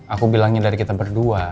aku bilangnya dari kita berdua